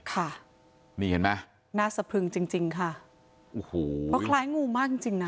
ค่ะนี่เห็นไหมหน้าสะพรึงจริงจริงค่ะโอ้โหเพราะคล้ายงูมากจริงจริงนะ